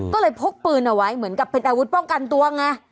ก็เลยพกปืนเอาไว้เหมือนกับเป็นอาวุธป้องกันตัวไง